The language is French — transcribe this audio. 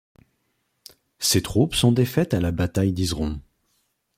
Ses troupes sont défaites à la bataille d'Yzeron.